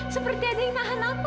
seperti ada yang nahan aku